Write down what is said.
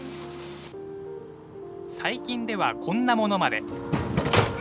最近では、こんなものまで。